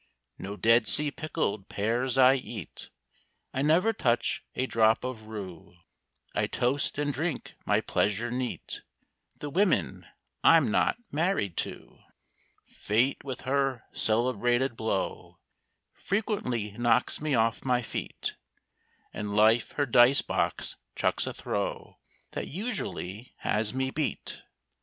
No Dead Sea pickled pears I eat; I never touch a drop of rue; I toast, and drink my pleasure neat, The women I'm not married to! Fate with her celebrated blow Frequently knocks me off my feet; And Life her dice box chucks a throw That usually has me beat.